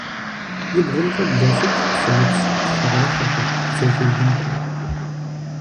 И бгъумкӀэ блосыкӀ псы удз хъэрахъэхэр, бдзэжьей инхэр.